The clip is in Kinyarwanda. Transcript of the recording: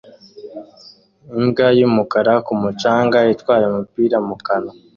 Imbwa y'umukara ku mucanga itwaye umupira mu kanwa